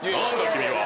君は。